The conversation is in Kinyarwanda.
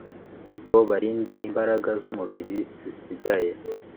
ngo barinde imbaraga zumubiri zisigaye